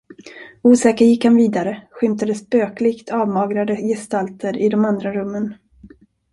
Osäker gick han vidare, skymtade spöklikt avmagrade gestalter i de andra rummen.